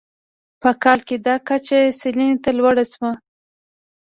په کال کې دا کچه سلنې ته لوړه شوه.